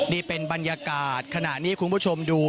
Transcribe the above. นี่เป็นบรรยากาศขณะนี้คุณผู้ชมดู